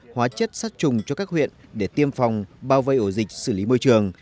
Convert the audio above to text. hóa chất sát trùng cho các huyện để tiêm phòng bao vây ổ dịch xử lý môi trường